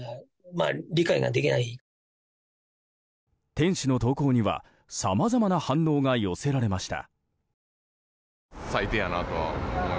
店主の投稿には、さまざまな反応が寄せられました。